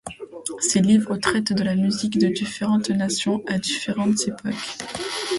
Ses livres traitent de la musique de différentes nations à différentes époques.